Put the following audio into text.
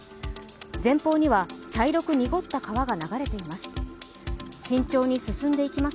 前方には茶色く濁った川が流れています。